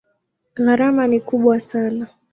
Gharama ni kubwa sana.